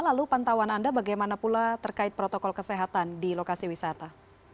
lalu pantauan anda bagaimana pula terkait protokol kesehatan di lokasi wisata